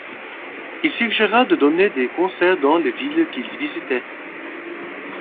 Il suggéra de donner des concerts dans les villes qu'ils visitaient.